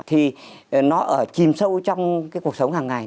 thì nó chìm sâu trong cuộc sống hằng ngày